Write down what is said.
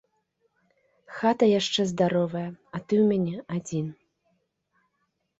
Хата яшчэ здаровая, а ты ў мяне адзін.